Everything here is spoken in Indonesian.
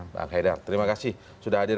bang haidar terima kasih sudah hadir